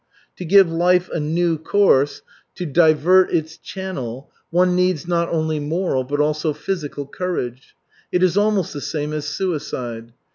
To give life a new course, to divert its channel, one needs not only moral but also physical courage. It is almost the same as suicide.